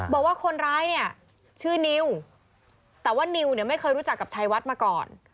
บอกว่าคนร้ายเนี่ยชื่อนิวแต่ว่านิวเนี่ยไม่เคยรู้จักกับชัยวัดมาก่อน